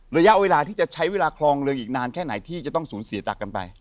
ระยะเวลาที่จะใช้เวลาคลองเรืองอีกนานแค่ไหนที่จะต้องสูญเสียจากกันไป